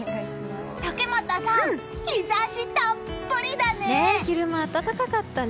竹俣さん、日差したっぷりだね！